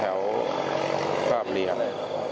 ก็แถวสร้างบริเวณ